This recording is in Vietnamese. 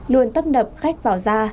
luôn tấp nập khách vào ra